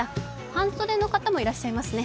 半袖の方もいらっしゃいますね。